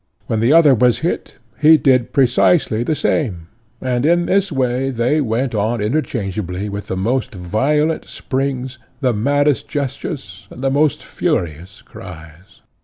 When the other was hit he did precisely the same, and in this way they went on interchangeably with the most violent springs, the maddest gestures, and the most furious cries.